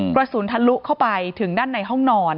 กระสุนทะลุเข้าไปถึงด้านในห้องนอน